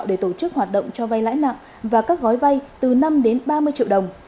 để tổ chức hoạt động cho vay lãi nặng và các gói vay từ năm đến ba mươi triệu đồng